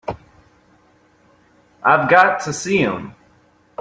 I've got to see him.